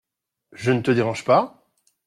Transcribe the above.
Je ne te dérange pas ?